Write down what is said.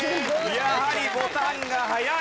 やはりボタンが早い！